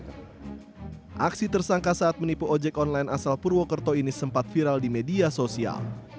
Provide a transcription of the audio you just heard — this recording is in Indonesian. aksi tersangka saat menipu ojek online asal purwokerto ini sempat viral di media sosial